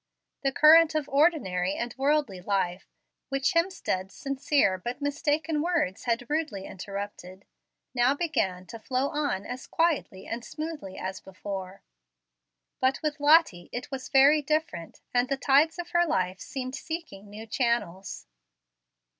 The current of ordinary and worldly life, which Hemstead's sincere but mistaken words had rudely interrupted, now began to flow on as quietly and smoothly as before. But with Lottie it was very different, and the tides of her life seemed seeking new channels.